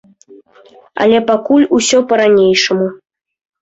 Але пакуль усё па-ранейшаму.